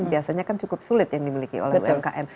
biasanya kan cukup sulit yang dimiliki oleh umkm